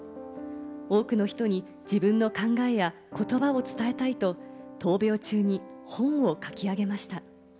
多くの人に自分の考えや言葉を伝えたいと、闘病中に本を書き上げました。